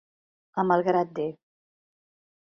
A malgrat de.